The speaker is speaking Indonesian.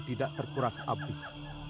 tidak terkuras abis